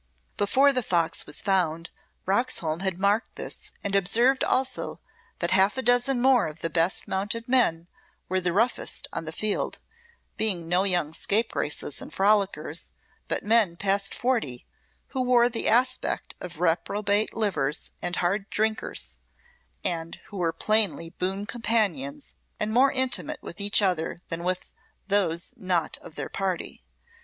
Before the fox was found, Roxholm had marked this and observed also that half a dozen more of the best mounted men were the roughest on the field, being no young scapegraces and frolickers, but men past forty, who wore the aspect of reprobate livers and hard drinkers, and who were plainly boon companions and more intimate with each other than with those not of their party.